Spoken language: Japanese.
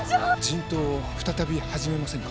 人痘を再び始めませぬか？